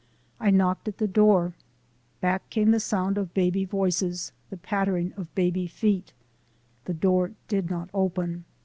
I knocked at the door. Back came the sound of baby voices, the pattering of baby feet. The door did not open.